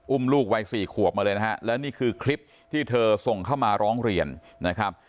ลูกวัยสี่ขวบมาเลยนะฮะและนี่คือคลิปที่เธอส่งเข้ามาร้องเรียนนะครับ